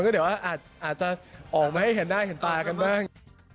ก็เดี๋ยวอาจจะออกมาให้เห็นหน้าเห็นตากันบ้าง